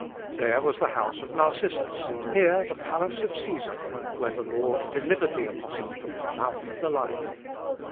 There was the house of Narcissus here the palace of Cæsar, where the Lord delivered the apostle from the mouth of the lion.